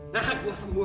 nah gue semua